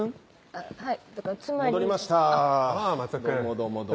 あっはい。